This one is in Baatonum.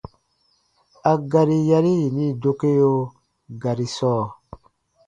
A gari yari yini dokeo gari sɔɔ: